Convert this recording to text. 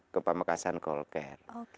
ke pamekasan call care